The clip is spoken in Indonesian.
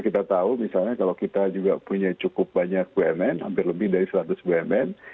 kita tahu misalnya kalau kita juga punya cukup banyak bumn hampir lebih dari seratus bumn